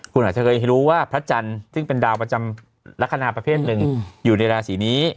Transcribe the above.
คุณอาจจะเคยรู้ว่าพระจันทร์ซึ่งเป็นดาวประจำลักษณะประเภทหนึ่งอยู่ในราศีนี้